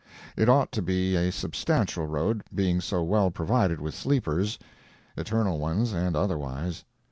It ought to be a substantial road, being so well provided with sleepers—eternal ones and otherwise.